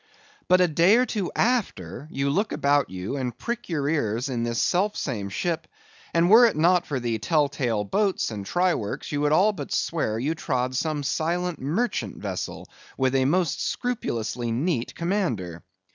But a day or two after, you look about you, and prick your ears in this self same ship; and were it not for the tell tale boats and try works, you would all but swear you trod some silent merchant vessel, with a most scrupulously neat commander.